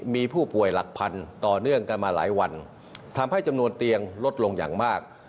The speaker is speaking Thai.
มีผู้ป่วยหลักพันต่อเนื่องกันมาหลายวันทำให้จำนวนเตียงลดลงอย่างมาก